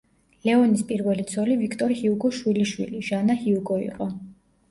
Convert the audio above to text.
ლეონის პირველი ცოლი ვიქტორ ჰიუგოს შვილიშვილი, ჟანა ჰიუგო იყო.